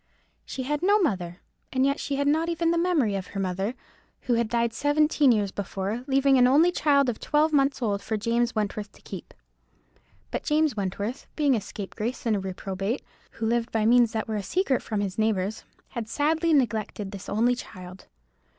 She had no mother, and she had not even the memory of her mother, who had died seventeen years before, leaving an only child of twelve months old for James Wentworth to keep. But James Wentworth, being a scapegrace and a reprobate, who lived by means that were a secret from his neighbours, had sadly neglected this only child.